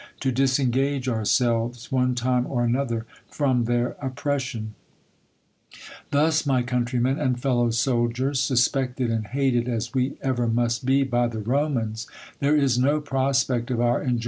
to disengage ourselves, one time or another, from theK oppi; ession. Thu^, my countrymen and fellow soldiers, suspect/ed aacl tiat^d as >ye ever rpust b^ by the Roin^ns, tlxere i« n9 Pffip^ef j^ yi^i 8PJ?